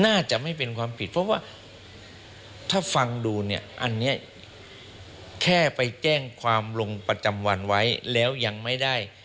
น่าจะไม่เป็นความผิดเพราะว่าถ้าฟังดูเนี่ยอันนี้แค่ไปแจ้งความลงประจำวันไว้แล้วยังไม่ได้